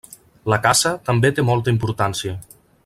La caça també té molta importància.